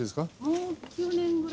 もう９年ぐらい。